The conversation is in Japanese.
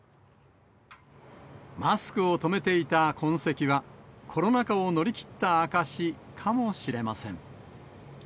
マスクを留めていた痕跡はコロナ禍を乗り切った証しかもしれません。